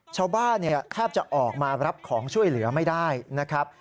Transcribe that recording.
ชาวบ้านแทบจะออกมารับของช่วยเหลือไม่ได้นะครับ